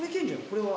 これは。